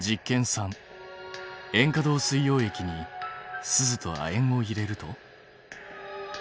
３塩化銅水溶液にスズと亜鉛を入れると？